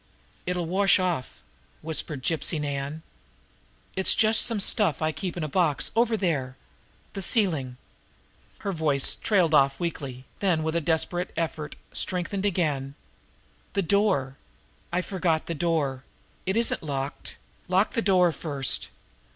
"It'll wash off," whispered Gypsy Nan. "It's just some stuff I keep in a box over there the ceiling " Her voice trailed off weakly, then with a desperate effort strengthened again. "The door! I forgot the door! It isn't locked! Lock the door first!